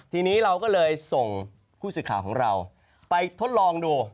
ทีนี้เราก็เลยส่งผู้สื่อข่าวของเราไปทดลองดู